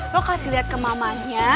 lo kasih liat ke mamanya